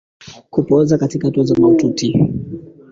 Kupooza katika hatua za mahututi